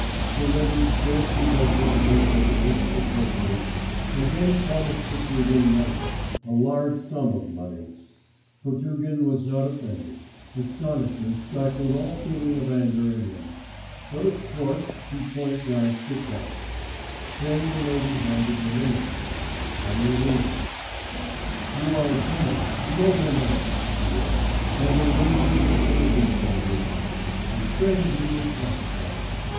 The lady scarcely ventured to hint at the principal personage, and then promised Potugin money ... a large sum of money. Potugin was not offended, astonishment stifled all feeling of anger in him; but, of course, he point blank declined. Then the lady handed him a note from Irina. 'You are a generous, noble man,' she wrote, 'and I know you would do anything for me; I beg of you this sacrifice.